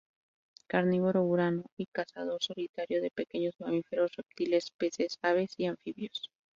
Carnívoro huraño y cazador solitario de pequeños mamíferos, reptiles, peces, aves y anfibios.